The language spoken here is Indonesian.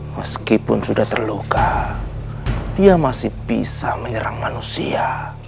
meskipun sudah terluka dia masih bisa menyerang manusia